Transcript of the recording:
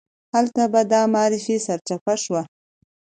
هلته به دا معرفي سرچپه شوه.